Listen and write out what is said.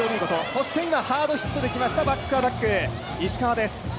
そして今ハードヒットで来ました、バックアタック、石川です。